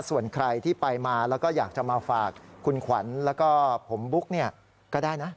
ส่วนใครที่ไปมาแล้วก็อยากจะมาฝากคุณขวัญแล้วก็ผมบุ๊กก็ได้นะ